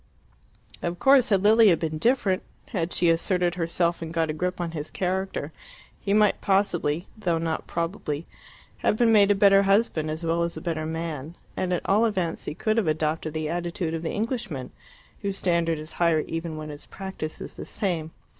Of course, had Lilia been different had she asserted herself and got a grip on his character he might possibly though not probably have been made a better husband as well as a better man, and at all events he could have adopted the attitude of the Englishman, whose standard is higher even when his practice is the same.